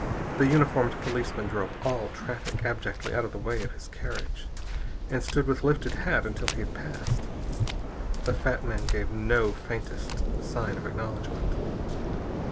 The uniformed policemen drove all traffic abjectly out of the way of his carriage, and stood with lifted hat until he had passed. The fat man gave no faintest sign of acknowledgment.